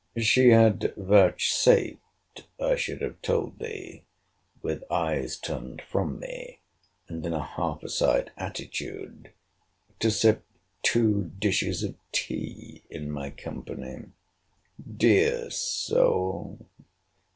She had vouchsafed, I should have told thee, with eyes turned from me, and in a half aside attitude, to sip two dishes of tea in my company—Dear soul!